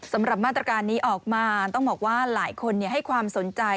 สำหรับมาตรการนี้ออกมาต้องบอกว่าหลายคนให้ความสนใจ